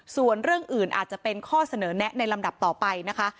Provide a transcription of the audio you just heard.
ส่วนเรื่องอื่นอาจจะเป็นข้อเสนอแนะในลำดับต่อไปนะคะ